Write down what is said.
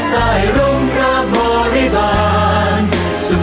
ไตรลมพระบริบาล